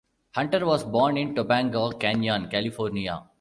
Hunter was born in Topanga Canyon, California.